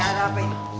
ada apa ini